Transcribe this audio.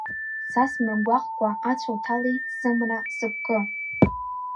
Са смыргәаҟкәа ацәа уҭали, сымра, сыгәкы!